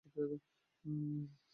তোমার আর আমার শত্রু একই।